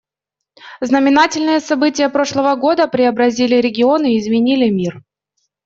Знаменательные события прошлого года преобразили регион и изменили мир.